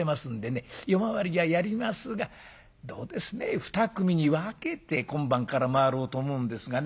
夜回りはやりますがどうですね二組に分けて今晩から回ろうと思うんですがね。